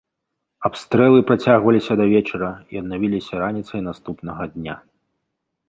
Абстрэлы працягвалася да вечара і аднавілася раніцай наступнага дня.